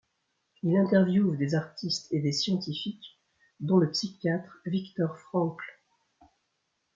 Il interviewe des artistes et des scientifiques dont le psychiatre Viktor Frankl.